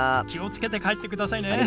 気を付けて帰ってくださいね。